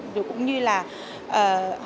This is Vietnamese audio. rồi cũng như là hợp hỏi thêm về những cái sản phẩm này